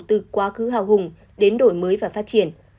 từ quá khứ hào hùng đến đổi mới và phát triển